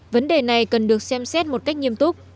vấn đề này cần được xem xét một cách nghiêm túc